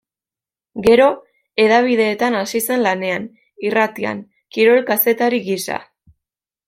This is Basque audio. Gero hedabideetan hasi zen lanean, irratian, kirol-kazetari gisa.